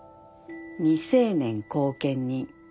未成年後見人。